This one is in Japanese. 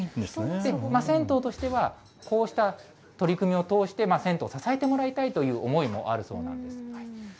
銭湯としては、こうした取り組みを通して、銭湯を支えてもらいたいという思いもあるそうなんです。